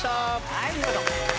はいお見事。